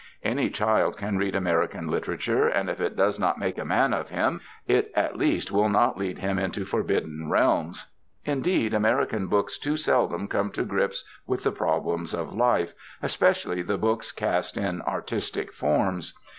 Any child can read American literature, and if it does not make a man of him, it at least will not lead him into forbidden realms. Indeed, American books too seldom come to grips with the problems of life, especially the books cast in artistic forms.